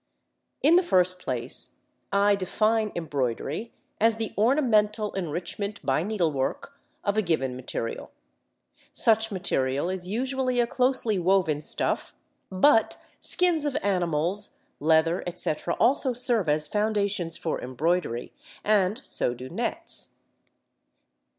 In the first place, I define embroidery as the ornamental enrichment by needlework of a given material. Such material is usually a closely woven stuff; but skins of animals, leather, etc., also serve as foundations for embroidery, and so do nets.